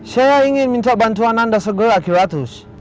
saya ingin minta bantuan anda segera kira ratus